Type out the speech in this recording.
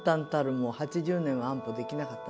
もう８０年は安保できなかった。